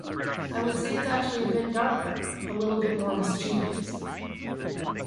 I would say it's actually a bit darker, a little bit more mischievous.